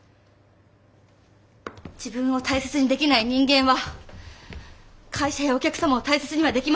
自分を大切にできない人間は会社やお客様を大切にはできません。